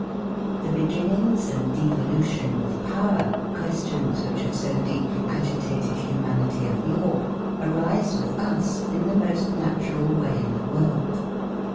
The beginnings and devolution of power, questions which have so deeply agitated humanity of yore, arise with us in the most natural way in the world.